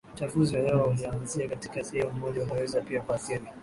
uchafuzi wa hewa ulioanzia katika sehemu moja unaweza pia kuathiri